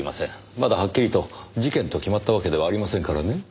まだはっきりと事件と決まったわけではありませんからね。